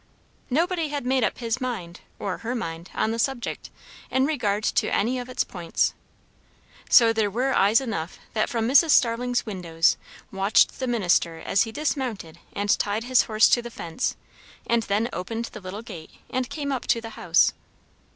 Nobody had made up his mind, or her mind, on the subject, in regard to any of its points. So there were eyes enough that from Mrs. Starling's windows watched the minister as he dismounted and tied his horse to the fence, and then opened the little gate and came up to the house.